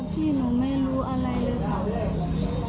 พี่หนูไม่รู้อะไรเลยค่ะ